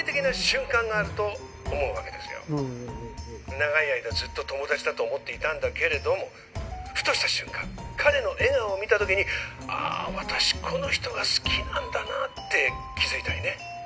長い間ずっと友達だと思っていたんだけれどもふとした瞬間彼の笑顔を見た時に「ああ私この人が好きなんだな」って気づいたりね。